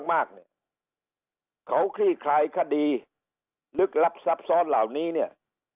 มากเนี่ยเขาคลี่คลายคดีลึกลับซับซ้อนเหล่านี้เนี่ย